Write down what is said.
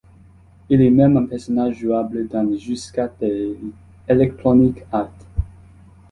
Il est même un personnage jouable dans le jeu skate de Electronics Arts.